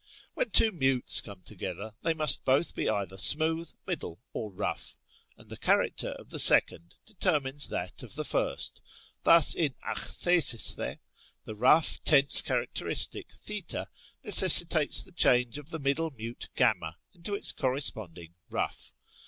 When two mutes come together, they must both be either smooth, middle, or rough, and the character of the second determines that of the first. Thus, in ἀχθήσεσθε, the rough tense characteristic θ necessitates the change of the middle mute y into its corresponding rough.